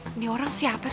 aduh ini orang siapa sih